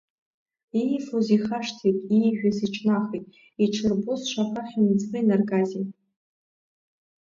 Иифоз ихашҭит, иижәыз иҿнахит, ииҽырбоз шаҟа хьымӡӷы инаргазеи!